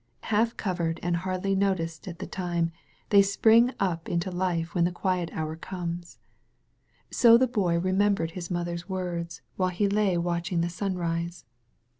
Half covered and hardly noticed at the time, they spring up into life when the quiet hour comes. So the Boy remembered his mother's words while 281 THE VALLEY OF VISION he lay watching the sunrise.